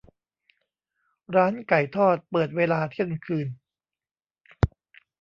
ร้านไก่ทอดเปิดเวลาเที่ยงคืน